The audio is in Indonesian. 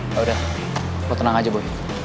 yaudah lo tenang aja bu